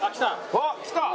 あっきた！